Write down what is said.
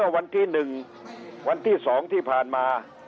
วันที่๑วันที่๒ที่ผ่านมา